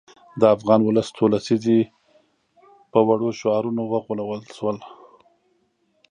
د افغان ولس څو لسیزې په وړو شعارونو وغولول شو.